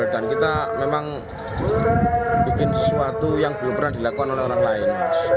dan kita memang bikin sesuatu yang belum pernah dilakukan oleh orang lain